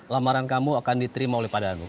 lamaran kamu akan diterima oleh padahal nuh